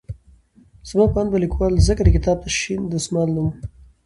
زما په اند به ليکوال ځکه د کتاب ته شين دسمال نوم